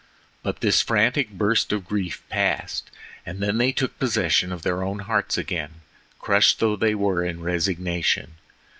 But this frantic burst of grief passed, and then they took possession of their own hearts again, crushed though they were in resignation.